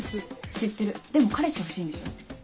知ってるでも彼氏欲しいんでしょ？